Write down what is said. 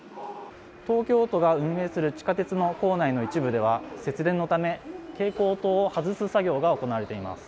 東京都が運営する地下鉄の構内の一部では節電のため蛍光灯を外す作業が行われています。